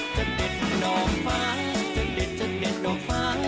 จะเด็ดดอกฟ้าจะเด็ดจนเด็ดดอกฟ้า